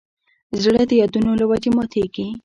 زړه د یادونو له وجې ماتېږي.